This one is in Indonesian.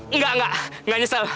enggak enggak gak nyesal